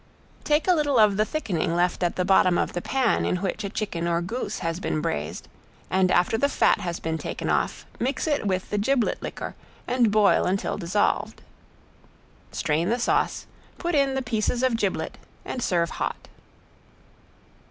Take a little of the thickening left at the bottom of the pan in which a chicken or goose has been braised, and after the fat has been taken off, mix it with the giblet liquor and boil until dissolved. Strain the sauce, put in the pieces of giblet, and serve hot.